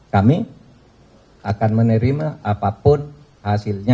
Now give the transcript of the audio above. kami akan menerima apapun hasilnya